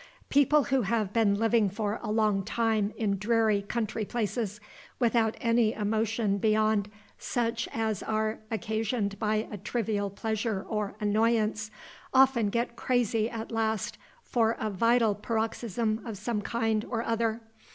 People who have been living for a long time in dreary country places, without any emotion beyond such as are occasioned by a trivial pleasure or annoyance, often get crazy at last for a vital paroxysm of some kind or other.